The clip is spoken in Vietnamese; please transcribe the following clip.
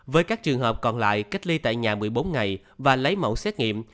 với các trường hợp còn lại cách ly tại nhà một mươi bốn ngày và lấy mẫu xét nghiệm